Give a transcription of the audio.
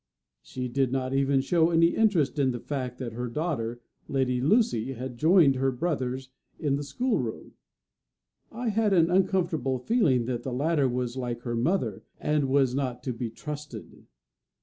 She did not even show any interest in the fact that her daughter, Lady Lucy, had joined her brothers in the schoolroom. I had an uncomfortable feeling that the latter was like her mother, and was not to be trusted.